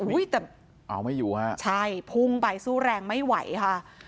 แต่เอาไม่อยู่ฮะใช่พุ่งไปสู้แรงไม่ไหวค่ะ